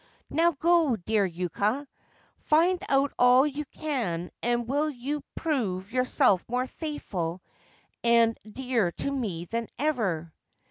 Now go, dear Yuka. Find out all you can and you will prove yourself more faithful and dear to me than ever.'